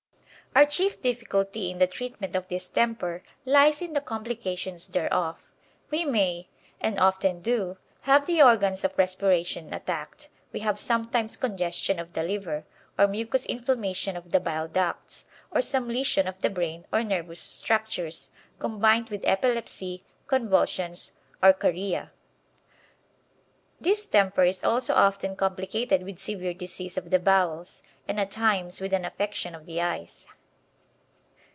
Our chief difficulty in the treatment of distemper lies in the complications thereof. We may, and often do, have the organs of respiration attacked; we have sometimes congestion of the liver, or mucous inflammation of the bile ducts, or some lesion of the brain or nervous structures, combined with epilepsy, convulsions, or chorea. Distemper is also often complicated with severe disease of the bowels, and at times with an affection of the eyes.